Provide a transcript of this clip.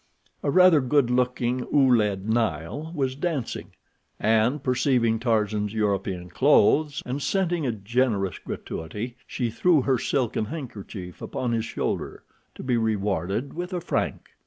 A rather good looking Ouled Nail was dancing, and, perceiving Tarzan's European clothes, and scenting a generous gratuity, she threw her silken handkerchief upon his shoulder, to be rewarded with a franc.